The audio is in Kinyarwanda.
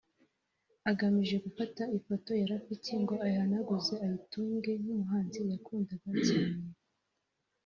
agamije gufata ifoto ya Rafiki ngo ayihanaguze ayitunge nk’umuhanzi yakundaga cyane